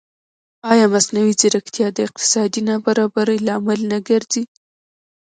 ایا مصنوعي ځیرکتیا د اقتصادي نابرابرۍ لامل نه ګرځي؟